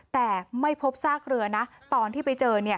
แต่ไม่พบซากเรือนะตอนที่ไปเจอเนี่ย